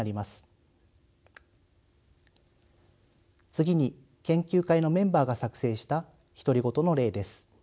次に研究会のメンバーが作成した独り言の例です。